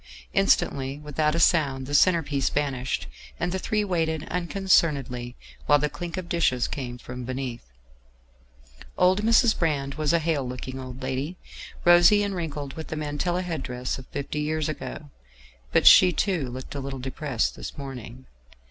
Instantly, without a sound, the centre piece vanished, and the three waited unconcernedly while the clink of dishes came from beneath. Old Mrs. Brand was a hale looking old lady, rosy and wrinkled, with the mantilla head dress of fifty years ago; but she, too, looked a little depressed this morning.